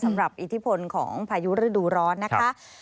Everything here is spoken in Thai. สำหรับอิทธิพลของพายุฤดูร้อนนะคะ